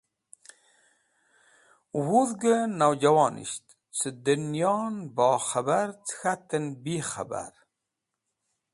Wudhgẽ nawjẽwonisht cẽ dẽnyon bo k̃hẽbar cẽ k̃hatẽn bi khẽbar.